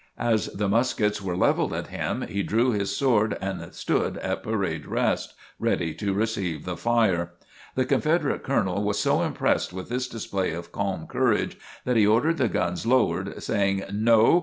As the muskets were leveled at him, he drew his sword and stood at "parade rest," ready to receive the fire. The Confederate Colonel was so impressed with this display of calm courage that he ordered the guns lowered, saying: "No!